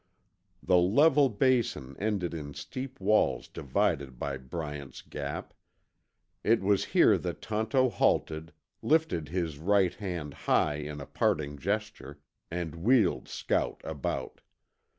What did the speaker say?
The level Basin ended in steep walls divided by Bryant's Gap. It was here that Tonto halted, lifted his right hand high in a parting gesture, and wheeled Scout about.